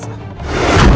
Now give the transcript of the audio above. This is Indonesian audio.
lah namanya apa